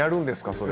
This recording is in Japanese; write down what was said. それ。